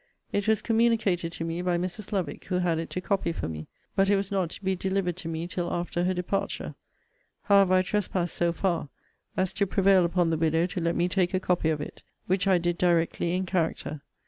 It was communicated to me by Mrs. Lovick; who had it to copy for me; but it was not to be delivered to me till after her departure. However, I trespassed so far, as to prevail upon the widow to let me take a copy of it; which I did directly in character.